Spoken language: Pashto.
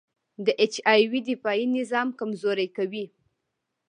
د اچ آی وي دفاعي نظام کمزوری کوي.